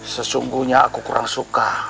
sesungguhnya aku kurang suka